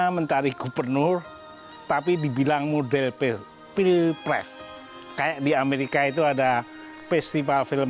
mentari gubernur tapi dibilang model pil pilpres kayak di amerika itu ada festival